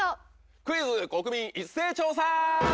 『クイズ！国民一斉調査』。